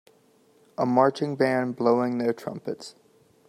A marching band blowing their trumpets.